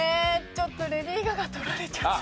ちょっとレディー・ガガ取られちゃった。